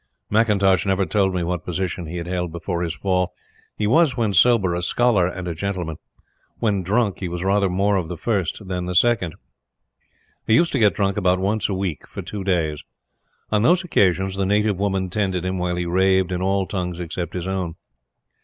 McIntosh never told me what position he had held before his fall. He was, when sober, a scholar and a gentleman. When drunk, he was rather more of the first than the second. He used to get drunk about once a week for two days. On those occasions the native woman tended him while he raved in all tongues except his own.